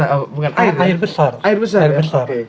air besar air besar air besar